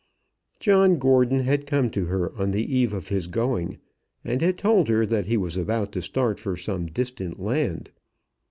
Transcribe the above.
John Gordon had come to her on the eve of his going, and had told her that he was about to start for some distant land.